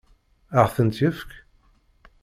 Ad ɣ-tent-yefk?